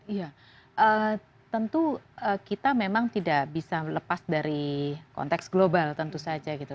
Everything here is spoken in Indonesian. iya tentu kita memang tidak bisa lepas dari konteks global tentu saja gitu